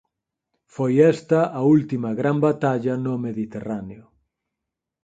Foi esta a última gran batalla no Mediterráneo.